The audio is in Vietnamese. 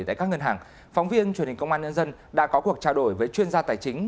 tại các ngân hàng phóng viên truyền hình công an nhân dân đã có cuộc trao đổi với chuyên gia tài chính